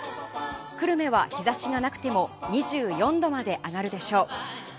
久留米は、日差しがなくても２４度まで上がるでしょう。